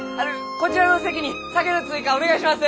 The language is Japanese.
こちらの席に酒の追加お願いします！